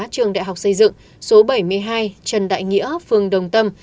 trường đại học xây dựng số bảy mươi hai trần đại nghĩa phường đồng tâm